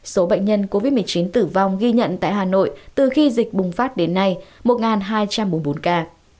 số bệnh nhân covid một mươi chín tử vong ghi nhận tại hà nội từ khi dịch bùng phát đến nay một hai trăm bốn mươi bốn ca